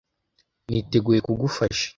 Niteguye kugufasha.